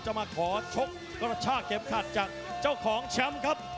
มาขอชกกระชากเข็มขัดจากเจ้าของแชมป์ครับ